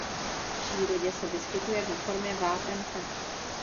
V přírodě se vyskytuje ve formě vápence.